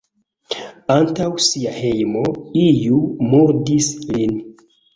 Antaŭ sia hejmo iu murdis lin.